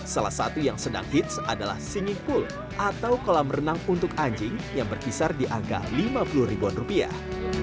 salah satu yang sedang hits adalah singing pul atau kolam renang untuk anjing yang berkisar di angka lima puluh ribuan rupiah